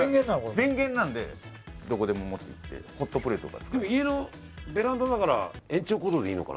電源なのでどこでも持っていってホットプレートも使えます。